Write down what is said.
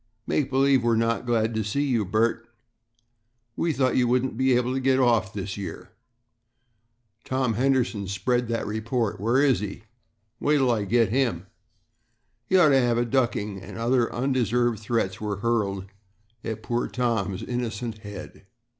"Make believe we're not glad to see you, Bert. We thought you wouldn't be able to get off this year." "Tom Henderson spread that report. Where is he?" "Wait till I get at him." "He ought to have a ducking," and other undeserved threats were hurled at poor Tom's innocent head.